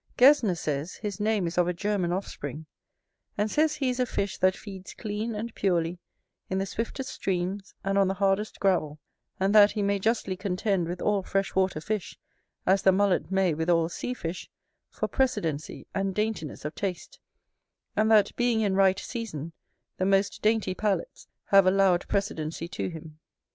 Gesner says, his name is of a German offspring; and says he is a fish that feeds clean and purely, in the swiftest streams, and on the hardest gravel; and that he may justly contend with all fresh water fish, as the Mullet may with all sea fish, for precedency and daintiness of taste; and that being in right season, the most dainty palates have allowed precedency to him.